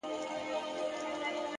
o پرېميږده . پرېميږده سزا ده د خداى.